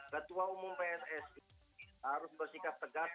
ketua umum pssi harus bersikap tegas